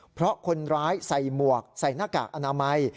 เพราะคนร้ายใส่หมวกใส่หน้ากากอนามัย